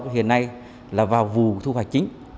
hiện nay là vào vù thu hoạch chính